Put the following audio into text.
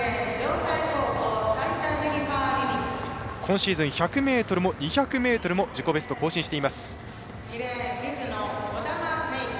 今シーズン、１００ｍも２００ｍも自己ベストを更新しています。